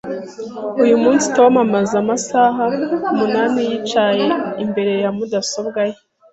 Uyu munsi, Tom amaze amasaha umunani yicaye imbere ya mudasobwa ye.